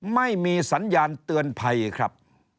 ไม่มีสัญญาณเตือนภัยครับ